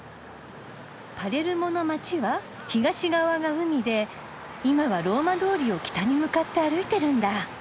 パレルモの街は東側が海で今はローマ通りを北に向かって歩いてるんだ。